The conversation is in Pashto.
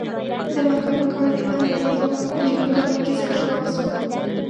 درانګه په کال کې د اندیز د غرونو په جنوب برخه کې زلزله وشوه.